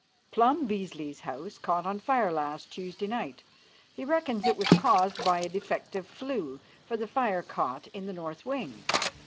Plum Beasley's house caught on fire last Tuesday night. He reckons it was caused by a defective flue, for the fire caught in the north wing.